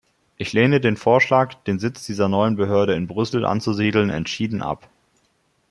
Ich lehne den Vorschlag, den Sitz dieser neuen Behörde in Brüssel anzusiedeln, entschieden ab.